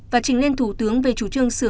và trình lên thủ tướng về chủ trương sửa